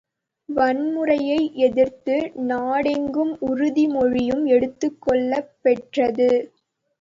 வன்முறையை எதிர்த்து நாடெங்கும் உறுதி மொழியும் எடுத்துக் கொள்ளப்பெற்றது.